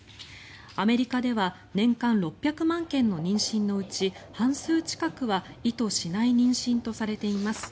アメリカでは年間６００万件の妊娠のうち半数近くは意図しない妊娠とされています。